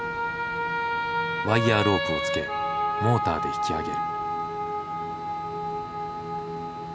ワイヤーロープをつけモーターで引き上げる。